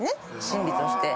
心理として。